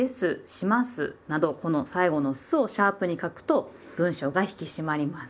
「します」などこの最後の「す」をシャープに書くと文章が引き締まります。